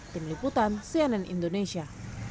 tim liputan cnn indonesia